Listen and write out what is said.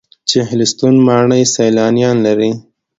چهلستون ماڼۍ سیلانیان لري